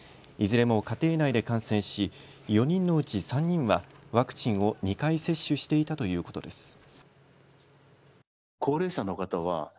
いずれも家庭内で感染し４人のうち３人はワクチンを２回接種していたということです。